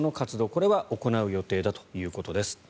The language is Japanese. これは行う予定だということです。